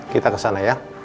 kita kesana ya